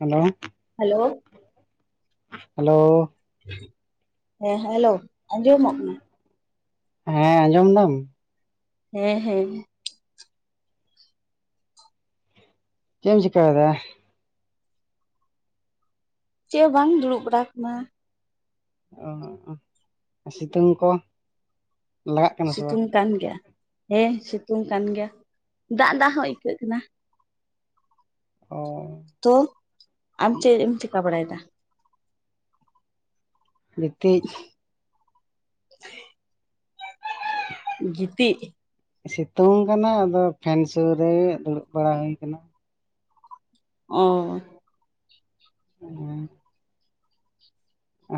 Hello hello hello ᱦᱮᱸ hello ᱟᱸᱡᱚᱢᱚᱜ ᱠᱟᱱᱟ ᱦᱮᱸ ᱟᱸᱡᱚᱢ ᱫᱟᱢ? ᱦᱮᱸ ᱦᱮᱸ ᱪᱮᱜ ᱮᱢ ᱪᱮᱠᱟᱭᱫᱟ? ᱪᱮᱜ ᱦᱚᱸ ᱵᱟᱝ ᱫᱩᱲᱩᱵ ᱵᱟᱲᱟ ᱠᱟᱱᱟ ᱚ, ᱥᱤᱛᱩᱝ ᱠᱚ ᱞᱟᱜᱟᱜ ᱠᱟᱱᱟ ᱥᱮ ᱵᱟ? ᱥᱤᱛᱩᱝ ᱠᱟᱱ ᱜᱮᱭᱟ ᱦᱮᱸ ᱥᱤᱛᱩᱝ ᱠᱟᱱ ᱜᱮᱭᱟ ᱫᱟᱜ ᱫᱟᱜ ᱦᱚᱸ ᱟᱹᱭᱠᱟᱹᱜ ᱠᱟᱱᱟ ᱚᱻ ᱛᱚ ᱟᱢ ᱪᱮᱫ ᱮᱢ ᱪᱮᱠᱟ ᱵᱟᱲᱟᱭᱫᱟ? ᱜᱤᱛᱤᱡ [inaudible] ᱜᱤᱛᱤᱡ? ᱥᱤᱛᱩᱝ ᱠᱟᱱᱟ ᱟᱫᱚ ᱯᱷᱮᱱ ᱥᱩᱨ ᱨᱮ ᱫᱩᱲᱩᱵ ᱵᱟᱲᱟ ᱦᱩᱭ ᱠᱟᱱᱟ ᱚᱻ ᱦᱩᱸ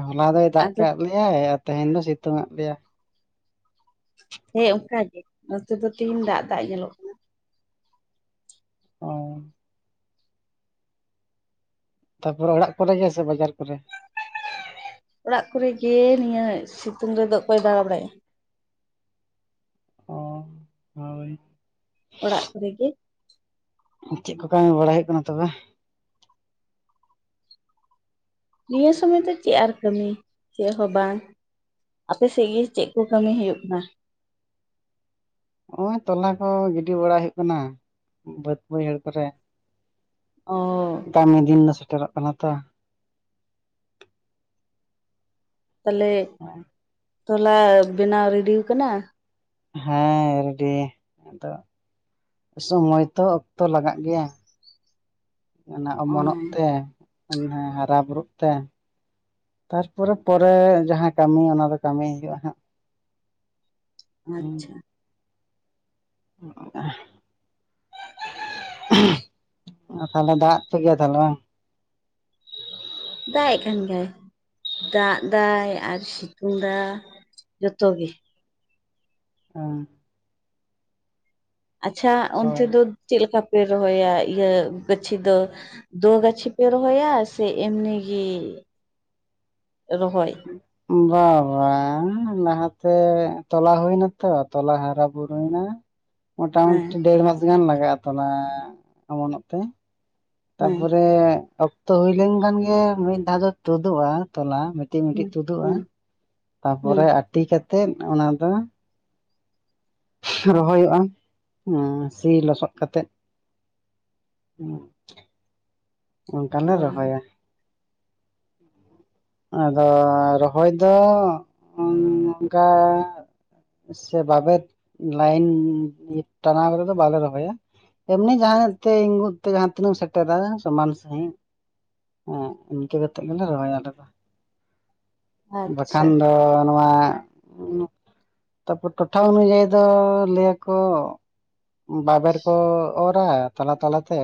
ᱦᱚᱞᱟ ᱫᱚᱭ ᱫᱟᱜ ᱟᱫᱚ ᱠᱟᱜ ᱞᱮᱭᱟᱭ ᱟᱨ ᱛᱮᱦᱮᱧ ᱫᱚᱭ ᱥᱤᱛᱩᱝ ᱟᱜ ᱞᱮᱭᱟᱭ ᱦᱮᱸ ᱚᱝᱠᱟ ᱜᱮ ᱱᱚᱛᱮ ᱫᱚ ᱛᱤᱦᱤᱧ ᱫᱟᱜ ᱫᱟᱜ ᱧᱮᱞᱚᱜ ᱠᱟᱱᱟ ᱚᱻ ᱛᱟᱯᱚᱨᱮ ᱚᱲᱟᱜ ᱠᱚᱨᱮ ᱜᱮ ᱥᱮ ᱵᱟᱡᱟᱨ ᱠᱚᱨᱮ? ᱚᱲᱟᱜ ᱠᱚᱨᱮᱜᱮ ᱱᱤᱭᱟᱹ ᱥᱤᱛᱩᱝ ᱨᱮᱫᱚ ᱚᱠᱚᱭ ᱫᱟᱬᱟ ᱵᱟᱲᱟᱭ ᱚ ᱦᱳᱭ ᱚᱲᱟᱜ ᱠᱚᱨᱮ ᱜᱮ ᱪᱮᱫ ᱠᱚ ᱠᱟᱹᱢᱤ ᱵᱟᱲᱟᱭ ᱦᱩᱭᱩᱜ ᱠᱟᱱᱟ ᱛᱚᱵᱮ? ᱱᱤᱭᱟᱹ ᱥᱚᱢᱚᱭ ᱫᱚ ᱪᱮᱫ ᱟᱨ ᱠᱟᱹᱢᱤ ᱪᱮᱫ ᱦᱚᱸ ᱵᱟᱝ ᱟᱯᱮᱥᱮᱜ ᱜᱮ ᱪᱮᱫ ᱠᱚ ᱠᱟᱹᱢᱤ ᱦᱩᱭᱩᱜ ᱠᱟᱱᱟ? ᱚᱸᱭ ᱛᱚᱞᱟ ᱠᱚ ᱜᱤᱰᱤ ᱵᱟᱲᱟ ᱦᱩᱭᱩᱜ ᱠᱟᱱᱟ ᱵᱟᱹᱫᱽ ᱵᱟᱹᱭᱦᱟᱹᱲ ᱠᱚᱨᱮ ᱚᱻ ᱠᱟᱹᱢᱤ ᱫᱤᱱ ᱫᱚ ᱥᱮᱴᱮᱨᱚᱜ ᱠᱟᱱᱟ ᱛᱚ᱾ ᱛᱟᱦᱞᱮ ᱛᱚᱞᱟ ᱵᱮᱱᱟᱣ ᱨᱮᱰᱤᱣ ᱠᱟᱱᱟ᱾ ᱦᱮᱸ ᱨᱮᱰᱤ᱾ ᱟᱫᱚ ᱥᱚᱢᱚᱭ ᱛᱚ ᱚᱠᱛᱚ ᱞᱟᱜᱟᱜ ᱜᱮᱭᱟ᱾ ᱚᱱᱟ ᱚ ᱚᱢᱚᱱᱚᱜ ᱛᱮ ᱩᱱᱤ ᱦᱚᱸ ᱦᱟᱨᱟ ᱵᱩᱨᱩᱜ ᱛᱮ᱾ ᱛᱟᱨᱯᱚᱨᱮ ᱯᱚᱨᱮ ᱡᱟᱦᱟᱸ ᱠᱟᱹᱢᱤ ᱚᱱᱟ ᱫᱚ ᱠᱟᱹᱢᱤ ᱦᱩᱭᱩᱜ-ᱟ ᱦᱟᱸᱜ᱾ ᱦᱩᱸ ᱟᱪᱪᱷᱟ᱾ [inaudible] ᱛᱟᱦᱞᱮ ᱫᱟᱜ ᱠᱮᱫ ᱜᱮᱭᱟᱭ ᱛᱟᱦᱞᱮ ᱵᱟᱝ? ᱫᱟᱜ ᱮᱫ ᱠᱟᱱ ᱜᱮᱭᱟᱭ᱾ ᱫᱟᱜ ᱫᱟᱭ ᱟᱨ ᱥᱤᱛᱩᱝ ᱫᱟ᱾ ᱡᱚᱛᱚ ᱜᱮ᱾ ᱦᱩᱸ᱾ ᱟᱪᱪᱷᱟ ᱦᱳᱭ ᱚᱱᱛᱮ ᱫᱚ ᱪᱮᱫ ᱞᱮᱠᱟᱯᱮ ᱨᱚᱦᱚᱭᱟ ᱤᱭᱟᱹ ᱜᱟᱹᱪᱷᱤ ᱫᱚ? ᱫᱳ ᱜᱟᱪᱷᱤ ᱯᱮ ᱨᱚᱦᱚᱭᱟ ᱥᱮ ᱮᱢᱱᱤ ᱜᱤ ᱨᱚᱦᱚᱭ? ᱵᱟ ᱵᱟᱝ ᱞᱟᱦᱟᱛᱮ ᱛᱚᱞᱟ ᱦᱩᱭᱱᱟᱛᱚ᱾ ᱛᱚᱞᱟ ᱦᱟᱨᱟ ᱵᱩᱨᱩᱭᱱᱟ, ᱦᱮᱸ ᱢᱚᱴᱟᱢᱩᱴᱤ ᱰᱮᱲ ᱢᱟᱥ ᱜᱟᱱ ᱞᱟᱜᱟᱜ-ᱟ ᱛᱚ ᱱᱚᱣᱟ ᱚᱢᱚᱱᱚᱜ ᱛᱮ? ᱦᱮᱸ ᱛᱟᱯᱚᱨᱮ ᱚᱠᱛᱚ ᱦᱩᱭ ᱞᱮᱱ ᱠᱷᱟᱱ ᱜᱮ ᱢᱤᱫ ᱫᱷᱟᱣ ᱫᱚ ᱛᱩᱫᱩᱜ-ᱟ ᱛᱚᱞᱟ ᱛᱤᱱ ᱦᱮᱸ ᱛᱩᱫᱩᱜ-ᱟ ᱦᱮᱸ ᱦᱮᱸ ᱛᱟᱯᱚᱨᱮ ᱟᱴᱤ ᱠᱟᱛᱮᱫ ᱚᱱᱟ ᱫᱚ ᱥᱤ ᱞᱚᱦᱚᱭᱚᱜ-ᱟ ᱦᱩᱸ ᱥᱤ ᱞᱚᱥᱚᱫ ᱠᱟᱛᱮᱫ᱾ ᱚᱱᱠᱟ ᱞᱮ ᱚ ᱨᱚᱦᱚᱭᱟ᱾ ᱟᱫᱚ ᱨᱚᱦᱚᱭ ᱫᱚ ᱚᱱ ᱚᱱᱠᱟ᱾ ᱥᱮ ᱵᱟᱵᱮᱨ ᱞᱟᱭᱤᱱ ᱴᱟᱱᱟᱣ ᱠᱟᱛᱮ ᱫᱚ ᱟᱞᱮ ᱨᱚᱦᱚᱭᱟ᱾ ᱮᱢᱱᱤ ᱡᱟᱸᱦᱟ ᱱᱟᱜ ᱛᱮ ᱤᱸᱜᱩᱫ ᱛᱮ ᱡᱟᱦᱟᱸ ᱛᱤᱱᱟᱹᱜ ᱥᱮᱴᱨᱟ ᱫᱟᱨᱮᱭᱟ᱾ᱤ ᱥᱚᱢᱟᱱ ᱥᱟᱺᱦᱤᱡ ᱦᱮᱸ ᱤᱱᱠᱟᱹ ᱠᱟᱛᱮ ᱜᱮᱞᱮ ᱨᱚᱦᱚᱭᱟ ᱟᱞᱮ ᱫᱚ᱾ ᱟᱪᱪᱷᱟ ᱵᱟᱠᱷᱟᱱ ᱫᱚ ᱱᱚᱣᱟ᱾ ᱛᱟᱯᱚᱨ ᱴᱚᱴᱷᱟ ᱩᱱᱩᱡᱟᱭᱤ ᱫᱚ ᱞᱟᱹᱭᱟᱠᱚ᱾ ᱵᱟᱵᱮᱨ ᱠᱚ ᱚᱨᱟ ᱛᱟᱞᱟ ᱛᱟᱞᱟᱛᱮ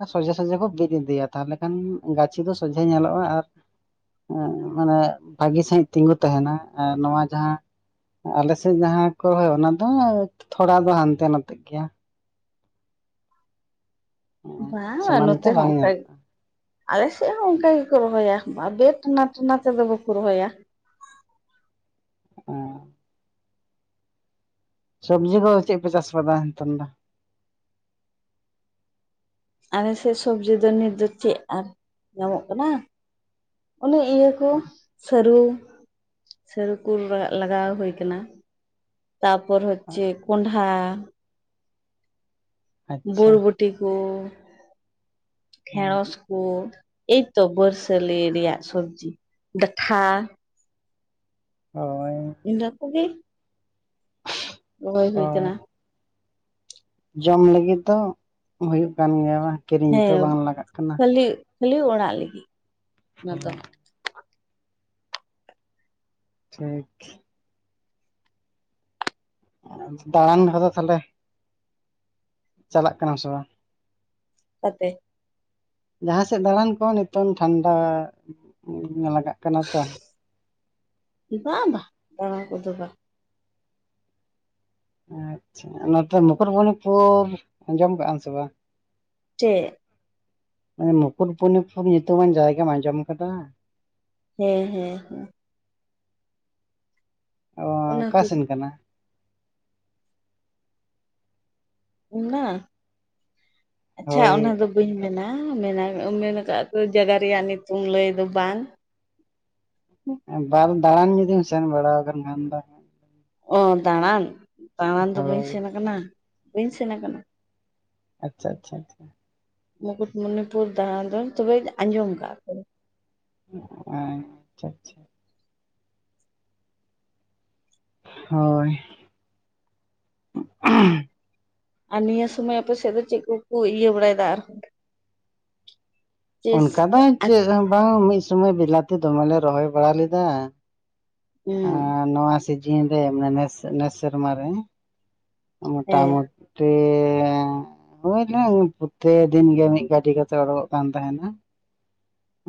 ᱟᱨ ᱥᱚᱡᱷᱮ᱾ ᱥᱚᱡᱷᱮ ᱠᱚ ᱵᱤᱫ ᱤᱫᱤᱭᱟ ᱛᱟᱦᱟᱞᱮ ᱠᱷᱟᱱ ᱜᱟᱹᱪᱷᱤ ᱫᱚ ᱥᱚᱡᱷᱮ ᱧᱮᱞᱚᱜ-ᱟ ᱟᱨ᱾ ᱦᱮᱸ ᱢᱟᱱᱮ ᱵᱷᱟᱹᱜᱤ ᱥᱟᱺᱦᱤᱡ ᱛᱤᱸᱜᱩ ᱛᱟᱦᱮᱱᱟ ᱟᱨ ᱱᱚᱣᱟ ᱡᱟᱸᱦᱟ᱾ ᱟᱞᱮᱥᱮᱡ ᱡᱟᱦᱟᱸᱭ ᱠᱚ ᱨᱚᱦᱚᱭᱟ ᱚᱱᱟ ᱫᱚ ᱛᱷᱚᱲᱟ ᱫᱚ ᱦᱟᱱᱛᱮ ᱱᱟᱛᱮᱜ ᱜᱮᱭᱟ᱾ ᱵᱟ ᱥᱚᱢᱟᱱ ᱛᱮ ᱱᱚᱛᱮ ᱦᱚᱸ ᱵᱟᱝ ᱧᱮᱞᱚᱜᱼᱟ ᱚᱱᱠᱟᱜᱮ᱾ ᱟᱞᱮ ᱥᱮᱫ ᱦᱚᱸ ᱚᱝᱠᱟ ᱜᱮᱠᱚ ᱨᱚᱦᱚᱭᱟ ᱵᱟᱵᱮᱨ ᱴᱟᱱᱟ ᱴᱟᱱᱟ ᱛᱮᱫᱚ ᱵᱟᱠᱚ ᱨᱚᱦᱚᱭᱟ᱾ ᱚ ᱥᱚᱵᱽᱡᱤ ᱠᱚ ᱪᱮᱫ ᱯᱮ ᱪᱟᱥ ᱠᱟᱫᱟ ᱱᱤᱛᱚᱝ ᱫᱚ? ᱟᱞᱮᱥᱮᱜ ᱥᱚᱵᱽᱡᱤ ᱫᱚ ᱱᱤᱛ ᱫᱚ ᱪᱮᱫ ᱟᱨ ᱧᱟᱢᱚᱜ ᱠᱟᱱᱟ? ᱚᱱᱮ ᱤᱭᱟᱹ ᱠᱚ ᱥᱟᱹᱨᱩ᱾ ᱥᱟᱹᱨᱩ ᱠᱚ ᱞᱟᱜᱟᱣ ᱦᱩᱭ ᱠᱟᱱᱟ ᱛᱟᱯᱚᱨ ᱦᱚᱪᱷᱮ ᱠᱚᱸᱰᱷᱟ᱾ ᱟᱪᱪᱷᱟ ᱵᱚᱨᱵᱚᱴᱤ ᱠᱚ, ᱰᱷᱮᱬᱚᱥ᱾ ᱠᱩ, ᱮᱭᱛᱚ ᱵᱚᱨᱥᱟᱹᱞᱤ ᱨᱮᱭᱟᱜ ᱥᱚᱵᱡᱤ ᱠᱚ ᱫᱟᱠᱷᱟ᱾ ᱦᱳᱭ᱾ ᱤᱱᱟᱹ ᱠᱚ ᱜᱮ᱾ ᱨᱚᱦᱚᱭ ᱛᱚ ᱦᱩᱭ ᱠᱟᱱᱟ᱾ ᱡᱚᱢ ᱞᱟᱹᱜᱤᱫ ᱫᱚ ᱦᱩᱭᱩᱜ ᱠᱟᱱ ᱜᱮᱭᱟ ᱵᱟ ᱠᱤᱨᱤᱧ ᱛᱚ ᱦᱮᱸ ᱵᱟᱝ ᱞᱟᱜᱟᱜ ᱠᱟᱱᱟ᱾ ᱠᱷᱟᱹᱞᱤ ᱠᱷᱟᱹᱞᱤ ᱚᱲᱟᱜ ᱞᱤᱜᱤᱜ᱾ ᱦᱩᱸ᱾ ᱴᱷᱤᱠ᱾ ᱫᱟᱲᱟᱱ ᱠᱚᱫᱚ ᱛᱟᱦᱞᱮ? ᱪᱟᱞᱟᱜ ᱠᱟᱱᱟᱢ ᱥᱮ ᱵᱟᱝ? ᱚᱠᱟᱛᱮ? ᱡᱟᱦᱟ ᱥᱮᱫ ᱫᱟᱲᱟᱱ ᱠᱚᱸ ᱱᱤᱛᱚᱝ ᱴᱷᱟᱱᱰᱟ ᱞᱟᱜᱟᱜ ᱠᱟᱱᱟ ᱛᱚ᱾ ᱵᱟᱝ ᱵᱟ ᱫᱟᱲᱟᱱ ᱠᱚᱫᱚ ᱵᱟ᱾ ᱟᱪᱷᱟ ᱱᱚᱛᱮ ᱢᱩᱠᱩᱴᱢᱩᱱᱤᱯᱩᱨ ᱟᱸᱡᱚᱢ ᱠᱟᱜᱼᱟᱢ ᱥᱮ ᱵᱟᱝ? ᱪᱮᱜ? ᱢᱩᱠᱩᱴᱢᱩᱱᱤᱯᱩᱨ ᱧᱩᱛᱩᱢᱟᱱ ᱡᱟᱭᱜᱟᱢ ᱟᱸᱡᱚᱢ ᱠᱟᱫᱟ? ᱦᱮᱸ ᱦᱮᱸ ᱦᱮᱸ᱾ ᱚᱸ ᱚᱱᱟ ᱠᱚ ᱚᱠᱟᱥᱮᱱ ᱠᱟᱱᱟ? ᱚᱱᱟ ᱟᱪᱷᱟ ᱦᱳᱭ ᱚᱱᱟ ᱫᱚᱼᱼ ᱵᱟᱹᱧ ᱢᱮᱱᱟ ᱢᱮᱱᱟᱭ ᱢᱮᱱ ᱟᱠᱟᱜ ᱠᱚ ᱡᱟᱭᱜᱟ ᱨᱮᱭᱟᱜ ᱧᱩᱛᱩᱢ ᱞᱟᱹᱭ ᱫᱚ ᱵᱟᱝ᱾ ᱵᱟᱝ ᱫᱟᱲᱟᱱ ᱡᱩᱫᱤᱢ ᱥᱮᱱ ᱵᱟᱲᱟ ᱟᱠᱟᱱ ᱠᱷᱟᱱ ᱫᱚ᱾ ᱚᱸ ᱫᱟᱲᱟᱱ ᱫᱟᱲᱟᱱ ᱫᱚ ᱵᱟᱹᱧ ᱦᱳᱭ ᱥᱮᱱ ᱟᱠᱟᱱᱟ ᱵᱟᱹᱧ ᱥᱮᱱ ᱟᱠᱟᱱᱟ᱾ ᱟᱪᱪᱷᱟ ᱟᱪᱪᱷᱟ ᱟᱪᱪᱷᱟ᱾ ᱢᱩᱠᱩᱴᱢᱩᱱᱤᱯᱩᱨ ᱫᱟᱲᱟᱱ ᱫᱚ ᱛᱚᱵᱮᱧ ᱟᱸᱡᱚᱢ ᱠᱟᱜᱼᱟ᱾ ᱦᱮᱸ ᱟᱪᱪᱷᱟ ᱟᱪᱪᱷᱟ᱾ ᱦᱳᱭ᱾ ᱟᱨ ᱱᱤᱭᱟᱹ ᱥᱚᱢᱚᱭ ᱟᱯᱮ ᱥᱮᱫ ᱫᱚ ᱪᱮᱫ ᱠᱚᱠᱚ ᱤᱭᱟᱹ ᱵᱟᱲᱟᱭᱮᱫᱟ ᱟᱨᱦᱚᱸ? ᱪᱮᱥ ᱚᱱᱠᱟ ᱫᱚ ᱟᱪ ᱪᱮᱫ ᱦᱚᱸ ᱵᱟᱝ ᱢᱤᱫ ᱥᱩᱢᱚᱭ ᱵᱮᱞᱟᱛᱤ ᱫᱚᱢᱮᱞᱮ ᱨᱚᱦᱚᱭ ᱵᱟᱲᱟ ᱞᱮᱫᱟ᱾ ᱦᱩᱸ ᱟᱨ ᱱᱚᱣᱟ ᱥᱤᱡᱤᱱ ᱨᱮ ᱢᱟᱱᱮ ᱱᱮᱥ ᱱᱮᱥ ᱥᱮᱨᱢᱟ ᱨᱮ᱾ ᱦᱮᱸ ᱢᱚᱴᱟᱢᱚᱴ ᱢᱤ ᱦᱩᱭᱮᱱᱟ ᱯᱩᱛᱮ ᱫᱤᱱ ᱜᱮ ᱢᱤᱫ ᱜᱟᱹᱰᱤ ᱠᱟᱛᱮ ᱚᱰᱩᱠᱚᱜ ᱠᱟᱱ ᱛᱟᱦᱮᱱᱟ᱾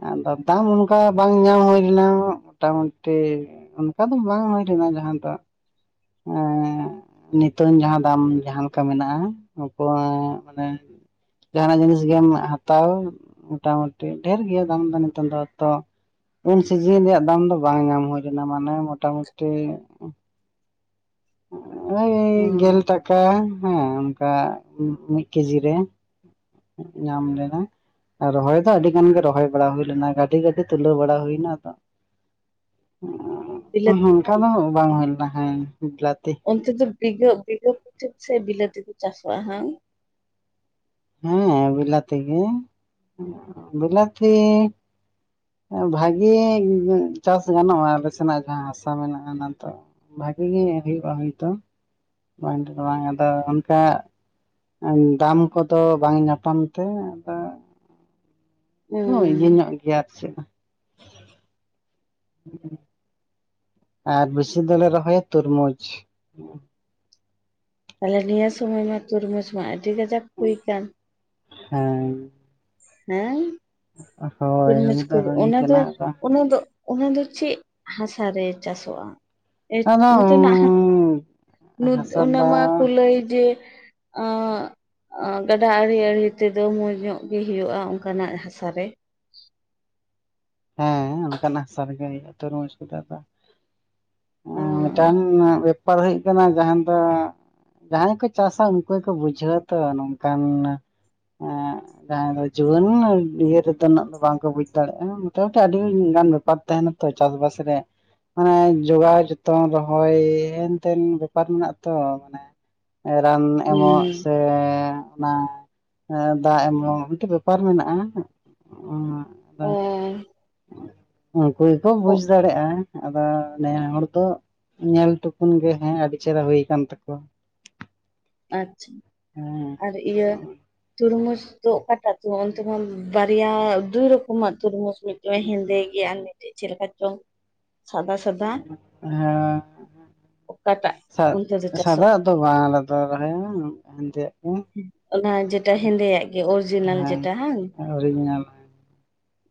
ᱟᱫᱚ ᱫᱟᱢ ᱚᱱᱠᱟ ᱵᱟᱝ ᱧᱟᱢ ᱦᱩᱭ ᱞᱮᱱᱟ ᱢᱚᱴᱟᱢᱩᱴᱤᱼᱼ ᱚᱱᱠᱟ ᱫᱚ ᱵᱟᱝ ᱦᱩᱭ ᱞᱮᱱᱟ ᱡᱟᱦᱟᱸ ᱫᱚ ᱾ ᱮ ᱱᱤᱛᱚᱝ ᱡᱟᱦᱟᱸ ᱫᱟᱢ ᱡᱟᱦᱟᱸᱞᱮᱠᱟ ᱢᱮᱱᱟᱜᱼᱟ, ᱩᱱᱠᱩᱣᱟᱜ ᱢᱟᱱᱮ ᱡᱟᱦᱟᱱᱟᱜ ᱡᱤᱱᱤᱥ ᱜᱮᱢ ᱦᱟᱛᱟᱣ ᱢᱚᱴᱟᱢᱩᱴᱤ ᱰᱷᱮᱨ ᱜᱮᱭᱟ ᱫᱟᱢ ᱫᱚ ᱱᱤᱛᱳᱜ ᱫᱚ ᱛᱚ ᱩᱱ ᱥᱤᱡᱤᱱ ᱨᱮᱭᱟᱜ ᱫᱟᱢ ᱫᱚ ᱵᱟᱝ ᱧᱟᱢ ᱦᱩᱭ ᱞᱮᱱᱟ, ᱢᱟᱱᱮ ᱢᱚᱴᱟᱢᱩᱴᱤᱼᱼ ᱳᱭ ᱦᱩᱸ ᱜᱮᱞ ᱴᱟᱠᱟ ᱦᱮᱸ ᱚᱱᱠᱟ ᱢᱤᱫ ᱠᱮᱡᱤ ᱨᱮ᱾ ᱧᱟᱢ ᱞᱮᱱᱟ᱾ ᱨᱚᱦᱚᱭ ᱫᱚ ᱟᱹᱰᱤ ᱜᱟᱱ ᱜᱮ ᱨᱚᱦᱚᱭ ᱵᱟᱲᱟ ᱦᱩᱭ ᱞᱮᱱᱟ ᱜᱟᱹᱰᱤ ᱜᱟᱹᱰᱤ ᱛᱩᱞᱟᱹᱣ ᱵᱟᱲᱟ ᱦᱩᱭ ᱮᱱᱟ ᱟᱫᱚ [unintelligible] ᱵᱤᱞᱟᱹᱛᱤ ᱚᱱᱠᱟ ᱵᱟᱝ ᱫᱚ ᱵᱟᱝ ᱦᱩᱭ ᱞᱮᱱᱟ ᱦᱮᱸ ᱵᱤᱞᱟᱛᱤ ᱚᱱᱛᱮ ᱫᱚ ᱵᱤᱜᱷᱟᱹ ᱵᱤᱜᱷᱟᱹ ᱯᱤᱪᱷᱩ ᱥᱮ ᱵᱤᱞᱟᱹᱛᱤ ᱠᱚ ᱪᱟᱥᱚᱜᱼᱟ ᱦᱮᱸ ᱦᱮᱸ ᱵᱤᱞᱟᱛᱤ ᱜᱮ ᱵᱤᱞᱟᱛᱤ ᱵᱷᱟᱜᱮ ᱪᱟᱥ ᱜᱟᱱᱚᱜᱼᱟ ᱟᱮᱞ ᱥᱮᱱᱟᱜ ᱡᱟᱦᱟᱸ ᱦᱟᱥᱟ ᱢᱮᱱᱟᱜᱼᱟ ᱚᱱᱟ ᱛᱚ ᱾ ᱵᱷᱟᱜᱮ ᱜᱮ ᱦᱩᱭᱩᱜᱼᱟ ᱦᱳᱭᱛᱳ ᱵᱟᱝ ᱟᱫᱚ ᱚᱱᱠᱟ ᱫᱟᱢ ᱠᱚᱫᱚ ᱵᱟᱝ ᱧᱟᱯᱟᱢ ᱛᱮ ᱟᱫᱚ ᱦᱳᱭ ᱦᱩᱸ ᱤᱭᱟᱹ ᱧᱚᱜ ᱜᱮᱭᱟ ᱟᱨ ᱪᱮᱫ [inaudible] ᱟᱨ ᱵᱮᱥᱤ ᱫᱚᱞᱮ ᱨᱚᱦᱚᱭᱟ ᱛᱩᱨᱢᱩᱡᱽ ᱾ ᱛᱟᱦᱚᱞᱮ ᱱᱤᱭᱟᱹ ᱥᱚᱢᱚᱭ ᱢᱟ ᱛᱩᱨᱢᱩᱡᱽ ᱢᱟ ᱟᱹᱰᱤ ᱠᱟᱡᱟᱠ ᱦᱩᱭ ᱠᱟᱱ ᱾ ᱦᱮᱸ᱾ ᱦᱮᱸ ᱦᱳᱭ ᱛᱩᱨᱢᱩᱡ ᱦᱩᱭ ᱠᱩ ᱫᱚ ᱦᱩᱭ ᱚᱱᱟ ᱫᱚ ᱠᱟᱱᱟ ᱟᱫᱚ ᱚᱱᱟ ᱫᱚ ᱚᱱᱟ ᱫᱚ ᱪᱮᱫ ᱦᱟᱥᱟᱨᱮ ᱪᱟᱥᱚᱜᱼᱟ, ᱟᱫᱚ ᱚᱱᱛᱮᱱᱟᱜ ᱦᱟ ᱦᱟᱥᱟ ᱚᱱᱟ ᱫᱚ ᱢᱟᱠᱚ ᱞᱟᱹᱭ ᱜᱮ ᱟᱻ ᱜᱟᱰᱟ ᱟᱲᱮ ᱟᱲᱮ ᱛᱮᱫᱚ ᱢᱚᱸᱡᱽ ᱧᱚᱜ ᱜᱮ ᱦᱩᱭᱩᱜᱼᱟ ᱚᱱᱠᱟᱱᱟᱜ ᱦᱟᱥᱟᱨᱮ ᱾ ᱦᱮᱸ ᱚᱱᱠᱱᱟᱜ ᱦᱟᱥᱟ ᱨᱮᱜᱮ ᱦᱩᱭᱩᱜᱼᱟ, ᱛᱚ ᱨᱚᱢᱚᱡᱽ ᱠᱚ ᱫᱚ᱾ ᱚ ᱢᱤᱫᱴᱟᱝ ᱵᱮᱯᱟᱨ ᱦᱩᱭᱩᱜ ᱠᱟᱱᱟ ᱡᱟᱦᱟᱸ ᱫᱚ ᱡᱟᱦᱟᱸᱭ ᱠᱚ ᱪᱟᱥᱟ ᱩᱱᱠᱩ ᱜᱮᱠᱚ ᱵᱩᱡᱷᱟᱹᱣᱟ ᱛᱚ ᱱᱚᱝᱠᱟᱱ ᱦᱮᱸ ᱡᱟᱦᱟᱸ ᱫᱚ ᱡᱩᱣᱟᱹᱱ ᱤᱭᱟᱹ ᱨᱮᱫᱚ ᱩᱱᱟᱹᱜ ᱫᱚ ᱵᱟᱝ ᱠᱚ ᱵᱩᱡ ᱫᱟᱲᱮᱭᱟᱜᱼᱟ ᱾ ᱡᱚᱛᱚ ᱟᱹᱰᱤ ᱜᱟᱱ ᱵᱮᱯᱟᱨ ᱛᱟᱦᱮᱱᱟ ᱛᱚ ᱪᱟᱥᱵᱟᱥ ᱨᱮ ᱾ ᱢᱟᱱᱮ ᱡᱚᱜᱟᱣ ᱡᱚᱛᱚᱱ ᱨᱚᱦᱚᱭ ᱦᱮᱱᱛᱮᱱ ᱵᱮᱯᱟᱨ ᱢᱮᱱᱟᱜᱼᱟ ᱛᱚ ᱢᱟᱱᱮ ᱨᱟᱱ ᱮᱢᱚᱜ ᱥᱮ ᱚᱱᱟ ᱫᱟᱜ ᱮᱢᱚᱱ ᱢᱤᱫᱴᱮᱱ ᱵᱮᱯᱟᱨ ᱢᱮᱱᱟᱜᱼᱟ ᱾ ᱮᱸ ᱩᱱᱠᱩ ᱜᱮᱠᱚ ᱵᱩᱡ ᱫᱟᱲᱮᱭᱟᱜᱼᱟ ᱾ ᱟᱫᱚ ᱱᱮᱭᱟ ᱦᱚᱲ ᱫᱚ ᱧᱮᱞ ᱴᱩᱠᱩᱱ ᱜᱮ ᱦᱮᱸ ᱟᱹᱰᱤ ᱪᱮᱦᱨᱟ ᱦᱩᱭ ᱠᱟᱱᱟᱱ ᱛᱟᱠᱚᱣᱟ ᱾ ᱟᱪᱪᱷᱟ ᱦᱮᱸ ᱾ ᱟᱨ ᱤᱭᱟᱹ ᱛᱚᱨᱢᱩᱡᱽ ᱫᱚ ᱚᱠᱟᱴᱟᱜ ᱛ ᱚᱱᱛᱮᱢᱟ ᱵᱟᱨᱭᱟ ᱫᱩᱭ ᱨᱚᱠᱚᱢᱟᱜ ᱛᱚᱨᱢᱩᱡᱽ ᱢᱤᱫᱴᱮᱱ ᱦᱮᱱᱫᱮ ᱜᱮᱭᱟ ᱟᱨ ᱢᱤᱫᱴᱮᱡ ᱪᱮᱫ ᱞᱮᱠᱟ ᱪᱚᱝ ᱥᱟᱫᱟ ᱥᱟᱫᱟ ᱦᱮᱸ ᱚᱠᱟᱴᱥᱜ ᱥᱟ ᱚᱱᱛᱮ ᱫᱚ ᱪᱟᱥᱚᱜ ᱥᱟᱫᱟᱜ ᱫᱚ ᱵᱟᱝᱞᱮᱫᱚ ᱨᱚᱦᱚᱭᱟ ᱦᱮᱱᱫᱮᱭᱟᱜ ᱫᱚ ᱾ ᱚᱱᱟ ᱡᱮᱴᱟ ᱦᱮᱸᱫᱮᱭᱟᱜ ᱜᱮ ᱚᱨᱤᱡᱤᱱᱟᱞ ᱡᱮᱴᱟ ᱦᱮᱸ ᱾ ᱟᱹᱣᱨᱤᱧ [unintelligible]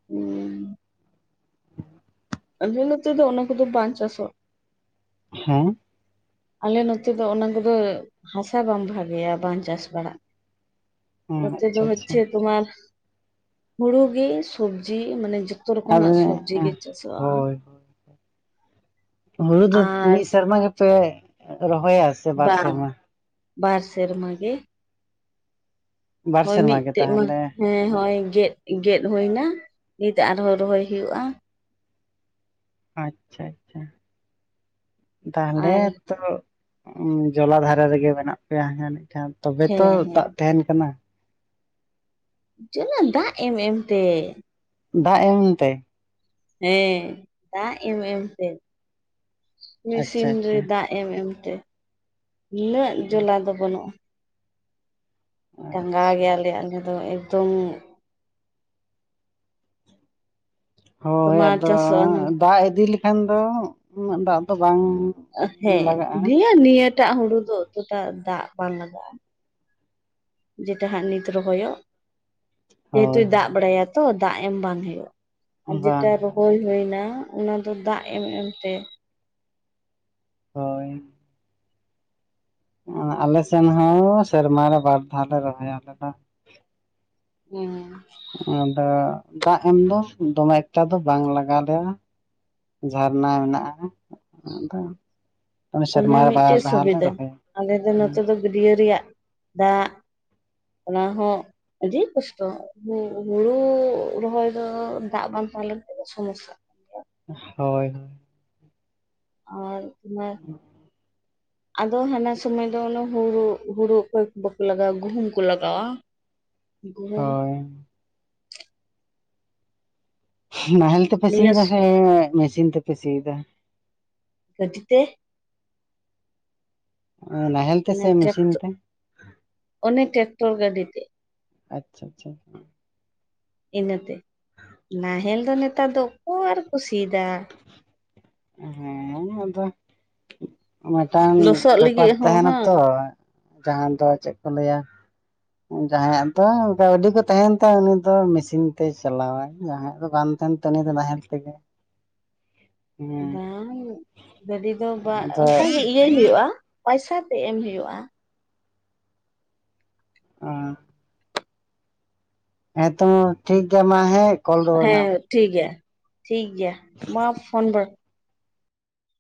[unintelligible] ᱟᱞᱮ ᱱᱚᱛᱮ ᱫᱚ ᱚᱱᱟ ᱠᱚᱫᱚ ᱵᱟᱝ ᱪᱟᱥᱚᱜ ᱾ ᱦᱮᱸ ᱟᱞᱮ ᱱᱚᱛᱮ ᱫᱚ ᱚᱱᱟ ᱠᱚᱫᱚ, ᱦᱟᱥᱟ ᱵᱟᱝ ᱵᱷᱟᱜᱮᱭᱟ ᱵᱟᱝ ᱪᱟᱥ ᱵᱟᱲᱟᱜ ᱦᱮᱸ ᱱᱚᱛᱮ ᱫᱚ ᱟᱪᱪᱷᱟ ᱟᱪᱪᱷᱟ ᱦᱚᱪᱷᱮ ᱛᱚᱢᱟᱨ, ᱦᱩᱲᱩ ᱜᱮ ᱥᱚᱵᱡᱤ ᱢᱟᱱᱮ ᱡᱚ ᱡᱚᱛᱚ ᱟᱫᱚ ᱨᱚᱠᱚᱢᱟᱜ ᱥᱚᱵᱽᱡᱤ ᱜᱮ ᱪᱟᱥᱚᱜᱼᱟ ᱾ ᱦᱳᱭ ᱦᱩᱲᱩ ᱫᱚ ᱟᱨ ᱢᱤᱫ ᱥᱮᱨᱢᱟ ᱜᱮᱯᱮ ᱨᱚᱦᱚᱭᱟ? ᱥᱮ ᱵᱟᱨ ᱵᱟᱝ ᱥᱮᱨᱢᱟ ᱵᱟᱨ ᱥᱮᱨᱢᱟᱜᱮ ᱾ ᱵᱟᱨ ᱦᱚᱭ ᱥᱮᱨᱢᱟ ᱜᱮ ᱢᱤᱫᱴᱮᱡ ᱢᱟ ᱛᱟᱦᱚᱞᱮ ᱦᱮᱸ ᱦᱚᱭ ᱜᱮᱫ ᱜᱮᱫ ᱦᱩᱭ ᱱᱟ ᱱᱤᱛ ᱟᱨᱦᱚᱸ ᱨᱚᱦᱚᱭ ᱦᱩᱭᱩᱜᱼᱟ ᱾ ᱟᱪᱪᱷᱟ ᱟᱪᱪᱷᱟ ᱛᱟᱦᱚᱞᱮ ᱟᱨ ᱛᱚ ᱡᱚᱞᱟ ᱫᱷᱟᱨᱮ ᱨᱮᱜᱮ ᱢᱮᱱᱟᱜ ᱯᱮᱭᱟ [unintelligible] ᱛᱚᱵᱮ ᱛᱚ ᱦᱮᱸ ᱦᱮᱸ ᱫᱟᱜ ᱛᱟᱦᱮᱱ ᱠᱟᱱᱟ ᱾ ᱡᱚᱞᱚ ᱫᱟᱜ ᱮᱢ ᱮᱢ ᱛᱮ ᱾ ᱫᱟᱜ ᱮᱢ ᱛᱮ? ᱦᱮᱸ ᱫᱟᱜ ᱮᱢ ᱮᱢ ᱛᱮ, ᱟᱪᱪᱷᱟ ᱢᱮᱥᱤᱱ ᱨᱮ ᱟᱪᱪᱷᱟ ᱫᱟᱜ ᱮᱢ ᱮᱢᱛᱮ, ᱩᱱᱟᱹᱜ ᱡᱚᱞᱟ ᱫᱚ ᱵᱟᱹᱱᱩᱜᱼᱟ ᱾ ᱰᱟᱸᱜᱟ ᱟᱪᱪᱷᱟ ᱜᱮᱭᱟ ᱞᱮ ᱟᱞᱮ ᱫᱚ ᱮᱠᱫᱚᱢ ᱾ ᱦᱚᱭ ᱛᱳᱢᱟᱨ ᱟᱫᱚ ᱪᱟᱥᱚᱜᱼᱟ ᱫᱟᱜ ᱤᱫᱤ ᱞᱮᱠᱷᱟᱱ ᱫᱚ ᱩᱱᱟᱹᱜ ᱫᱟᱜ ᱫᱚ ᱵᱟᱝ ᱦᱮᱸ ᱞᱟᱜᱟᱜᱼᱟ ᱱᱤᱭᱟᱹ ᱱᱤᱭᱟᱹᱴᱟᱜ ᱦᱩᱲᱩ ᱫᱚ ᱮᱛᱚᱴᱟ ᱫᱟᱜ ᱵᱟᱝ ᱞᱟᱜᱟᱜᱼᱟ ᱾ ᱡᱮᱛᱮ ᱦᱟᱸᱜ ᱱᱤᱛ ᱨᱚᱦᱚᱭᱚᱜ ᱾ ᱡᱮᱦᱮᱛᱩ ᱦᱳᱭ ᱫᱟᱜ ᱵᱟᱲᱟᱭᱟ ᱛᱚ ᱫᱟᱜ ᱮᱢ ᱵᱟᱝ ᱦᱩᱭᱩᱜᱼᱟ ᱾ ᱟᱨ ᱦᱳᱭ ᱵᱟᱝ ᱡᱮᱴᱟ ᱦᱩᱭ ᱦᱩᱭᱱᱟ ᱚᱱᱟ ᱫᱚ ᱫᱟᱜ ᱮᱢ ᱮᱢ ᱛᱮ ᱾ ᱦᱚᱭ ᱟᱞᱮ ᱥᱮᱱ ᱦᱚᱸ ᱥᱮᱨᱢᱟ ᱨᱮ ᱵᱟᱨ ᱫᱷᱟᱣ ᱞᱮ ᱨᱚᱦᱚᱭᱟ ᱟᱞᱮ ᱫᱚ ᱾ ᱦᱮᱸ ᱟᱫᱚ ᱫᱟᱜ ᱮᱢ ᱫᱚ ᱫᱚᱢᱮ ᱮᱠᱴᱟ ᱫᱚ ᱵᱟᱝ ᱞᱟᱜᱟᱣ ᱞᱮᱭᱟ ᱾ ᱡᱷᱟᱨᱱᱟ ᱦᱮᱱᱟᱜᱼᱟ ᱾ ᱟᱫᱚ ᱚᱱᱟ ᱥᱮᱨᱢᱟ ᱨᱮ ᱵᱟᱨ ᱢᱤᱫᱴᱮᱡ ᱫᱷᱟᱣ ᱞᱮ ᱥᱩᱵᱤᱫᱷᱟ ᱨᱚᱦᱚᱭᱟ ᱾ ᱟᱞᱮ ᱫᱚ ᱱᱚᱛᱮ ᱫᱚ ᱜᱟᱹᱰᱭᱟᱹ ᱨᱮᱭᱟᱜ ᱫᱟᱜ ᱚᱱᱟ ᱦᱚᱸ ᱟᱹᱰᱤ ᱠᱚᱥᱴᱚ. ᱾ ᱦᱩᱲᱩ ᱨᱚᱦᱚᱭ ᱫᱚ ᱫᱟᱜ ᱵᱟᱝ ᱛᱟᱦᱮᱸᱞᱮᱱᱠᱷᱟ ᱫᱚ ᱥᱚᱢᱚᱥᱟ ᱾ ᱦᱚᱭ ᱦᱚᱭ ᱢᱟᱱᱮ ᱟᱫᱚ ᱦᱟᱱᱟ ᱥᱚᱢᱚᱭ ᱫᱚ ᱦᱩᱲᱩ ᱦᱩᱲᱩ ᱚᱠᱚᱭ ᱠᱚ ᱵᱟᱠᱚ ᱞᱟᱜᱟᱣᱟ ᱜᱩᱦᱩᱢ ᱠᱚ ᱞᱟᱜᱟᱣᱟ ᱾ [unintelligible] ᱦᱳᱭ ᱱᱟᱦᱮᱞ ᱛᱮᱯᱮ ᱱᱤᱭᱟᱹ ᱥᱤᱭᱮᱫᱟ ᱥᱮ ᱢᱮᱥᱤᱱ ᱛᱮᱯᱮ ᱥᱤᱭᱮᱫᱟ? ᱜᱟᱹᱰᱤ ᱛᱮ ᱾ ᱱᱟᱦᱮᱞ ᱛᱮ ᱥᱮ ᱴᱨᱟᱠᱴ ᱢᱮᱥᱤᱱ ᱛᱮ? ᱚᱱᱮ ᱴᱮᱠᱴᱚᱨ ᱜᱟᱹᱰᱤ ᱛᱮ ᱾ ᱟᱪᱪᱷᱟ ᱪᱷᱟ ᱾ ᱤᱱᱟᱹᱛᱮ ᱱᱟᱦᱮᱞ ᱫᱚ ᱱᱮᱛᱟᱨ ᱫᱚ ᱚᱠᱚᱭ ᱟᱨ ᱠᱚ ᱥᱤᱫᱟ ᱾ ᱦᱮᱸ ᱟᱫᱚ ᱢᱤᱫ ᱴᱟᱝ ᱞᱚᱥᱚᱫ ᱵᱮᱯᱟᱨ ᱞᱟᱹᱜᱤᱫ ᱦᱚᱸ ᱛᱟᱦᱮᱱᱟ ᱦᱟᱝ ᱛᱚ ᱡᱟᱦᱟᱸ ᱫᱚ ᱪᱮᱫ ᱠᱚ ᱞᱟᱹᱭᱟ᱾ ᱡᱟᱦᱟᱸᱭᱟᱜ ᱫᱚ ᱜᱟᱹᱣᱰᱤ ᱠᱚ ᱛᱟᱦᱮᱱ ᱛᱟᱭᱟ ᱩᱱᱤ ᱫᱚ ᱢᱮᱥᱤᱱ ᱛᱮᱭ ᱪᱟᱞᱟᱣᱟᱭ ᱡᱟᱦᱟᱸᱭᱟᱜ ᱫᱚ ᱵᱟᱝ ᱛᱟᱦᱮᱱ ᱛᱟᱭᱟ᱾ [unintelligible] ᱱᱟᱦᱮᱞ ᱛᱮᱜᱮ ᱦᱮᱸ ᱵᱟᱝ ᱜᱟᱹᱰᱤ ᱫᱚ ᱵᱟᱝ ᱟᱫᱚ ᱚᱱᱠᱟ ᱜᱮ ᱤᱭᱟᱹᱭ ᱦᱳᱭᱳᱜᱼᱟ᱾ ᱯᱚᱭᱥᱟ ᱛᱮ ᱮᱢ ᱦᱳᱭᱳᱜᱼᱟ᱾ [unintelligible] ᱦᱮᱸᱛᱚ ᱴᱷᱤᱠ ᱜᱮᱭᱟ ᱢᱟ ᱦᱮᱸ ᱠᱚᱞ ᱨᱩᱣᱟᱹᱲ ᱢᱮ ᱦᱮᱸ ᱟᱢ ᱴᱷᱤᱠ ᱜᱮᱭᱟ ᱴᱷᱤᱠ ᱜᱮᱭᱟ ᱢᱟ ᱯᱷᱳᱱ ᱵᱟᱨ